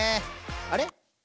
あれ？